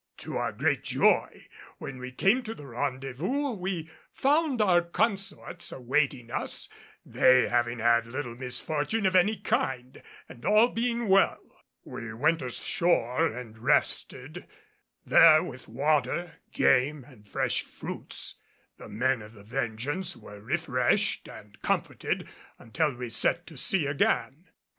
To our great joy, when we came to the rendezvous we found our consorts awaiting us, they having had little misfortune of any kind, and all being well. We went ashore and rested; there, with water, game, and fresh fruits, the men of the Vengeance were refreshed and comforted until we set to sea again.